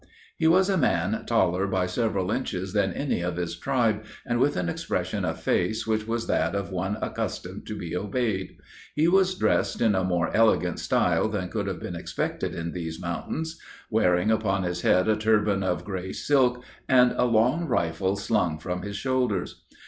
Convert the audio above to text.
"He was a man taller by several inches than any of his tribe, and with an expression of face which was that of one accustomed to be obeyed, He was dressed in a more elegant style than could have been expected in these mountains; wearing upon his head a turban of gray silk, and a long rifle slung from his shoulders.